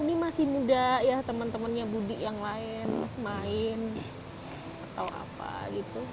ini masih muda ya teman temannya budi yang lain main atau apa gitu